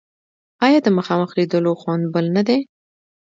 آیا د مخامخ لیدلو خوند بل نه دی؟